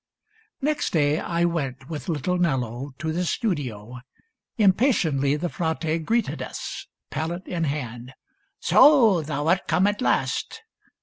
Next day I went With little Nello to the studio. Impatiently the Frate greeted us. Palette in hand. '*' So !— Thou art come at last